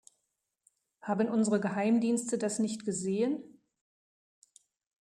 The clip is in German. Haben unsere Geheimdienste das nicht gesehen?